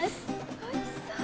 おいしそう。